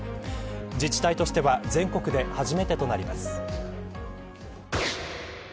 自治体としては全国で初めてとなります。